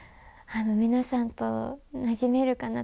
皆さんとなじめるかな？